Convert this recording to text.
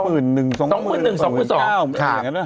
สองหมื่นหนึ่งสองหมื่นหนึ่งสองหมื่นเก้า